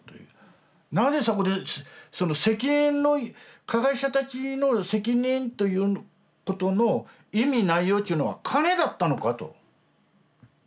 なぜそこで責任の加害者たちの責任ということの意味内容ちゅうのは金だったのか？と。